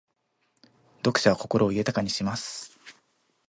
読書は心を豊かにします。